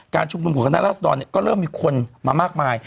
การชุมกลุ่มของศาลรัฐสดรเนี่ยก็เริ่มมีคนมามากมาย